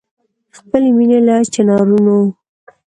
د خپلي مېني له چنارونو